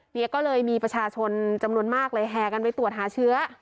เนี่ยก็เลยมีประชาชนจำนวนมากเลยแห่กันไปตรวจหาเชื้อ